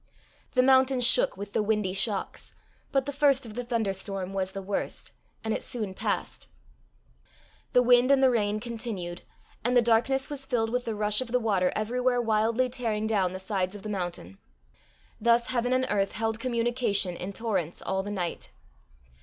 The mountain shook with the windy shocks, but the first of the thunder storm was the worst, and it soon passed. The wind and the rain continued, and the darkness was filled with the rush of the water everywhere wildly tearing down the sides of the mountain. Thus heaven and earth held communication in torrents all the night.